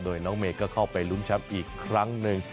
โดยน้องเมย์ก็เข้าไปลุ้นแชมป์อีกครั้งหนึ่ง